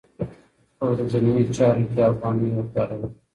په ورځنیو چارو کې افغانۍ وکاروئ.